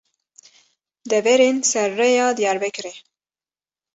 Deverên Ser Rêya Diyarbekirê